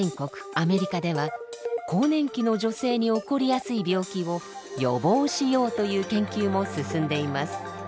アメリカでは更年期の女性に起こりやすい病気を予防しようという研究も進んでいます。